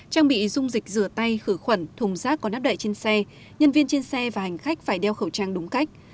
trang bị dung dịch rửa tay khử khuẩn thùng rác có nắp đậy trên xe nhân viên trên xe và hành khách phải đeo khẩu trang đúng cách